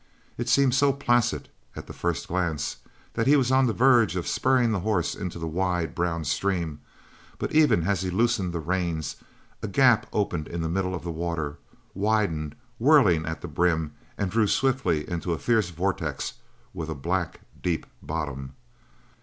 It seemed so placid at the first glance that he was on the verge of spurring the horse into the wide, brown stream, but even as he loosened the reins a gap opened in the middle of the water, widened, whirling at the brim, and drew swiftly into a fierce vortex with a black, deep bottom.